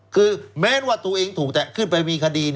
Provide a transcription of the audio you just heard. คือแม้ว่าตัวเองถูกแต่ขึ้นไปมีคดี